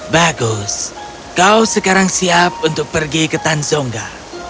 bagus kau sekarang siap untuk pergi ke tanzongga